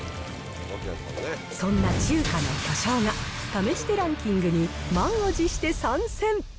そんな中華の巨匠が試してランキングに満を持して参戦。